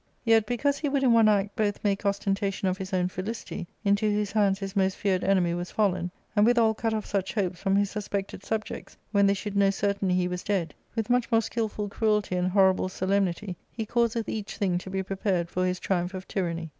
Yet, because he would in one act both make ostentation of his own felicity, into whose hands his most feared enemy was fallen, and withal cut off such hopes from his suspected subjects, when they should know certainly he was dead, with much more skilful cruelty and horrible solemnity he causeth each thing to be prepared for his triumph of tyranny.